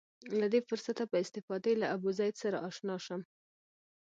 له دې فرصته په استفادې له ابوزید سره اشنا شم.